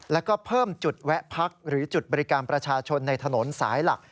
แล้วก็เพิ่มจุดแวะพักหรือจุดบริการประชาชนในถนนสายหลัก